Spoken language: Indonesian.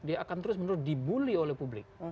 dia akan terus menerus dibully oleh publik